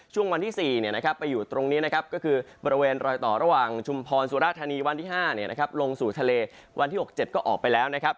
ช่วงวันที่๔ไปอยู่ตรงนี้นะครับก็คือบริเวณรอยต่อระหว่างชุมพรสุราธานีวันที่๕ลงสู่ทะเลวันที่๖๗ก็ออกไปแล้วนะครับ